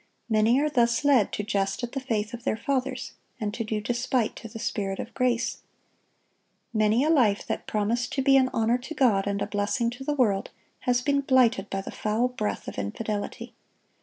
Many are thus led to jest at the faith of their fathers, and to do despite to the Spirit of grace.(1038) Many a life that promised to be an honor to God and a blessing to the world, has been blighted by the foul breath of infidelity.